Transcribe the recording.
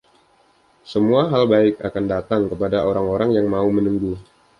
Semua hal baik akan datang kepada orang-orang yang mau menunggu